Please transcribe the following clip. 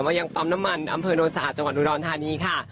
ยังปั๊มน้ำมันอำเภอโนนสะอาดจังหวัดอุดรธานีค่ะ